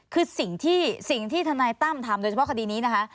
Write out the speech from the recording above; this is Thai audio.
คือสิ่งที่สิ่งที่ทนายตั้มทำโดยเฉพาะคดีนี้นะคะ